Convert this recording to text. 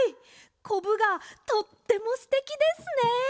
こぶがとってもすてきですね！